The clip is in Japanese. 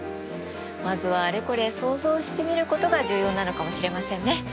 まずはあれこれ想像してみることが重要なのかもしれませんね。